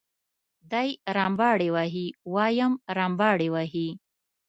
دی رمباړې وهي وایم رمباړې وهي.